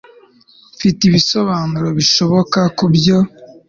mfite ibisobanuro bishoboka kubyo